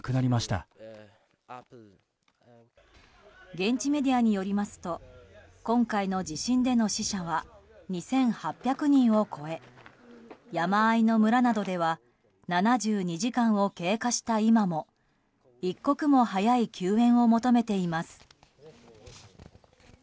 現地メディアによりますと今回の地震での死者は２８００人を超え山あいの村などでは７２時間を経過した今も一刻も早い救援を求めています。